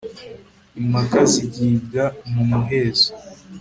impaka zigibwa mu muhezo